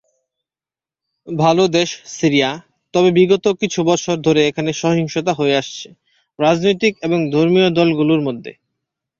ভাল দেশ সিরিয়া তবে বিগত কিছু বছর ধরে এখানে সহিংসতা হয়ে আসছে রাজনৈতিক এবং ধর্মীয় দল গুলোর মধ্যে।